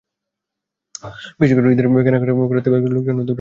বিশেষ করে ঈদের কেনাকাটা করতে বের হওয়া লোকজন ভোগান্তি পোহাচ্ছেন সবচেয়ে বেশি।